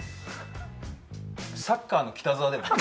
サッカーの北澤でもいい？